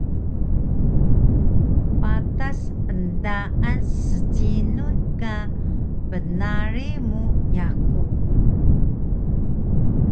patas endaan scinun ka bnarig mu yaku